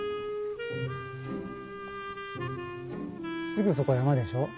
すぐそこ山でしょう？